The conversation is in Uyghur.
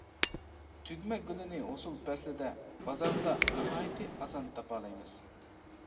تۈگمە گۈلىنى ھوسۇل پەسلىدە بازاردا ناھايىتى ئاسان تاپالايمىز.